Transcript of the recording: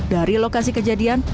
dari lokasi kejadian